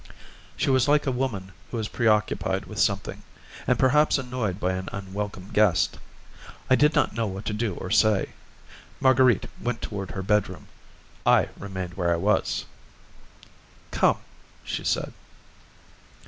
She was like a woman who is preoccupied with something, and perhaps annoyed by an unwelcome guest. I did not know what to do or say. Marguerite went toward her bedroom; I remained where I was. "Come," she said.